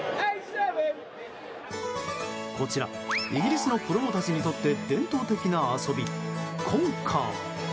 こちらイギリスの子供たちにとって伝統的な遊び、コンカー。